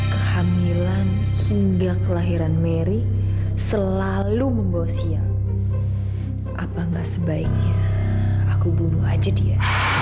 kehamilan hingga kelahiran mary selalu membawa sial apa enggak sebaiknya aku bunuh aja dia